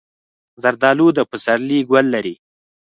زردالو د پسرلي ګل لري.